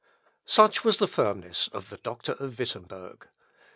Such was the firmness of the doctor of Wittemberg.